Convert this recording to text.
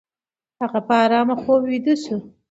هغه په آرامه خوب ویده شو.